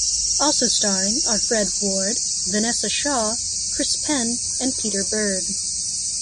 Also starring are Fred Ward, Vinessa Shaw, Chris Penn, and Peter Berg.